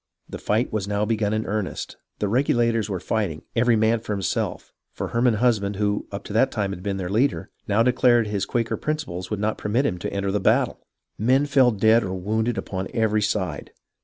The fight was now begun in earnest. The Regulators were fighting, every man for himself, for Herman Hus band, who, up to this time, had been their leader, now declared that his Quaker principles would not permit him to enter a battle. Men fell dead or wounded upon every side.